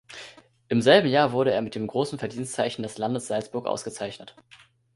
Im selben Jahr wurde er mit dem Großen Verdienstzeichen des Landes Salzburg ausgezeichnet.